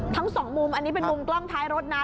ทั้งสองมุมอันนี้เป็นมุมกล้องท้ายรถนะ